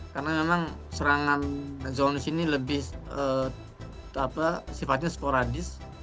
karena memang serangan drone di sini lebih sifatnya sporadis